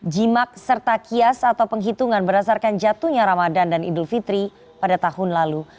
jimak serta kias atau penghitungan berdasarkan jatuhnya ramadan dan idul fitri pada tahun lalu